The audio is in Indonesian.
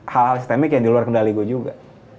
hal hal sistemik yang di luar kendali gue juga